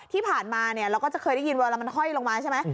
ที่ผ่านมาเราก็จะเคยได้ยินเวลามันห้อยลงมาใช่ไหม